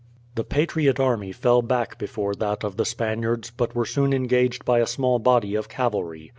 The patriot army fell back before that of the Spaniards, but were soon engaged by a small body of cavalry.